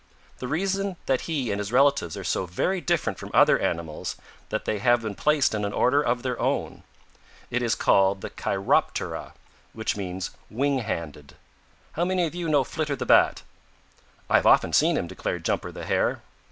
"The reason is that he and his relatives are so very different from other animals that they have been placed in an order of their own. It is called the Chi rop ter a, which means wing handed. How many of you know Flitter the Bat?" "I've often seen him," declared Jumper the Hare.